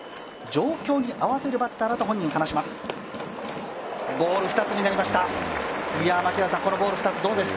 状況に合わせるバッターだと本人、話します。